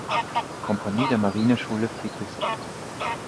Kompanie der Marineschule Friedrichsort.